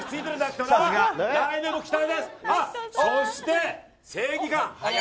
そして、正義感。